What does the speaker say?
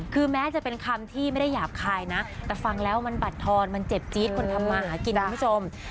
คือแม้จะเป็นคำที่ไม่ได้หยาบคายนะแต่ฟังแล้วมันบัดทอนมันเจ็บจี๊ดคนทำมาหากินคุณผู้ชม